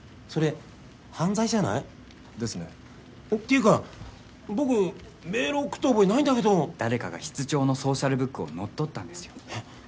それ犯罪じゃない？ですねっていうか僕メール送った覚えないんだけど誰かが室長のソーシャルブックを乗っ取ったんですよえっ？